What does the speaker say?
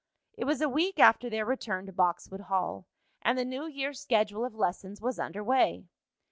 It was a week after their return to Boxwood Hall, and the new year's schedule of lessons was under way.